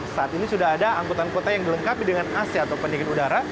saat ini sudah ada angkutan kota yang dilengkapi dengan ac atau pendingin udara